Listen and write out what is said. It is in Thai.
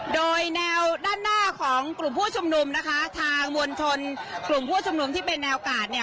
โดยแนวด้านหน้าของกลุ่มผู้ชุมนุมนะคะทางมวลชนกลุ่มผู้ชุมนุมที่เป็นแนวกาดเนี่ย